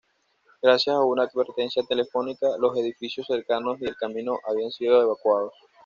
Gracias a una advertencia telefónica, los edificios cercanos y el camino habían sido evacuados.